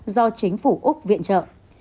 do chính phủ úc viện trợ